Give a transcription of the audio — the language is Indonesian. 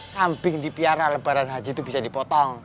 kamping di piara lebaran haji tuh bisa dipotong